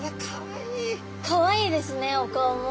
かわいいですねお顔も。